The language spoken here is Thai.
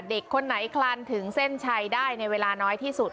เด็กคนไหนคลานถึงเส้นชัยได้ในเวลาน้อยที่สุด